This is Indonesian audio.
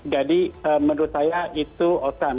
jadi menurut saya itu otam